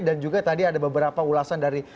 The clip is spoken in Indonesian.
dan juga tadi ada beberapa ulasan dari